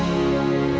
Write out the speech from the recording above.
stop d engagesnya